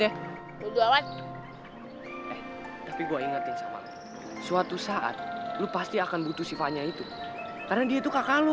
ya tapi gue ingetin suatu saat lu pasti akan butuh sifatnya itu karena dia itu kakak lu